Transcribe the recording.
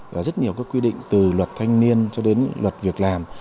và rất nhiều các quy định từ luật thanh niên cho đến luật việc làm